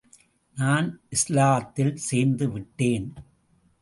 நான் இஸ்லாத்தில் சோந்து விட்டேன்.